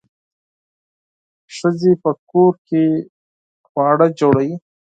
ښځې په کور کې خواړه جوړوي.